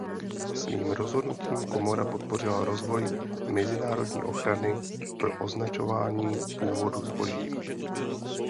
Svým rozhodnutím komora podpořila rozvoj mezinárodní ochrany pro označování původu zboží.